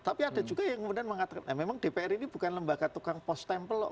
tapi ada juga yang kemudian mengatakan memang dpr ini bukan lembaga tukang post tempel loh